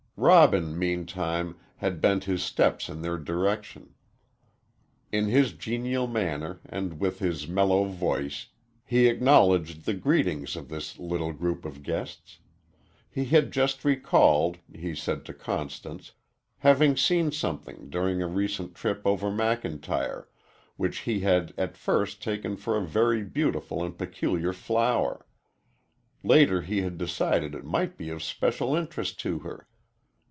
Robin, meantime, had bent his steps in their direction. In his genial manner and with his mellow voice he acknowledged the greetings of this little group of guests. He had just recalled, he said to Constance, having seen something, during a recent trip over McIntyre, which he had at first taken for a very beautiful and peculiar flower. Later he had decided it might be of special interest to her.